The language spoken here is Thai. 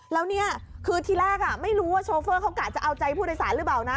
แล้วนี่คือทีแรกไม่รู้ว่าโชเฟอร์เขากะจะเอาใจผู้โดยสารหรือเปล่านะ